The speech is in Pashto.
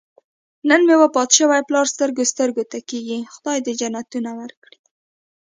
نن مې وفات شوی پلار سترګو سترګو ته کېږي. خدای دې جنتونه ورکړي.